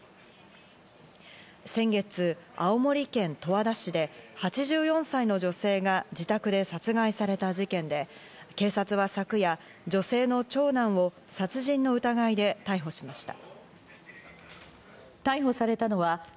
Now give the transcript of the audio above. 先月、青森県十和田市で８４歳の女性が自宅で殺害された事件で、警察は昨夜、女性の長男を殺人の疑いで逮捕しました。